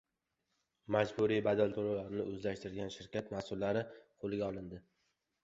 Majburiy badal to‘lovlarini o‘zlashtirgan shirkat mas’ullari qo‘lga olindi